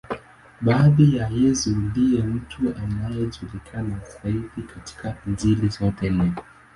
Baada ya Yesu, ndiye mtu anayejulikana zaidi katika Injili zote nne.